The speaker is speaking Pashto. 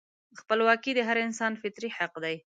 خپلواکي د هر انسان فطري حق دی.